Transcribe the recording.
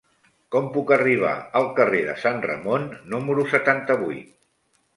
Com puc arribar al carrer de Sant Ramon número setanta-vuit?